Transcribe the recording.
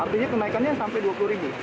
artinya kenaikannya sampai rp dua puluh